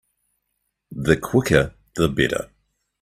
The quicker the better.